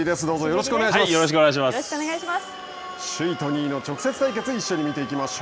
よろしくお願いします。